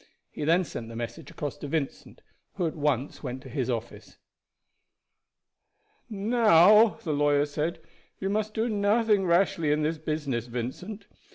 He then sent the message across to Vincent, who at once went to his office. "Now," the lawyer said, "you must do nothing rashly in this business, Vincent.